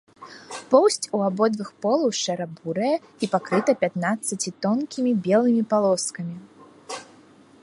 Поўсць ў абодвух полаў шэра-бурая і пакрыта пятнаццаці тонкімі белымі палоскамі.